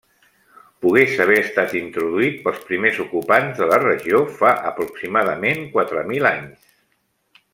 Pugues haver estat introduït pels primers ocupants de la regió fa aproximadament quatre mil anys.